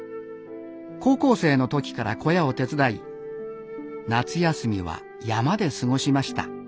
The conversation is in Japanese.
高校生の時から小屋を手伝い夏休みは山で過ごしました。